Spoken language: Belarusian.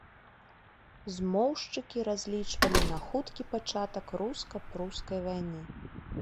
Змоўшчыкі разлічвалі на хуткі пачатак руска-прускай вайны.